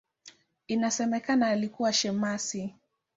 Inasemekana alikuwa shemasi.